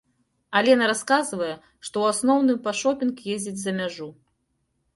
Алена расказвае, што ў асноўным па шопінг ездзіць за мяжу.